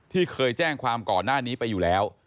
ที่เคยแจ้งความก่อนหน้านี้ไปอยู่แล้ว